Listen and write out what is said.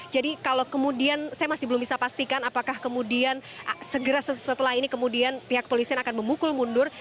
jadi kalau kemudian saya masih belum bisa pastikan apakah kemudian segera setelah ini kemudian pihak kepolisian akan memukul mundur